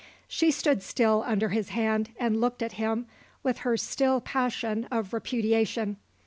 She stood still under his hand and looked at him with her still passion of repudiation.